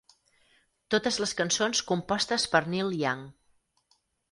Totes les cançons compostes per Neil Young.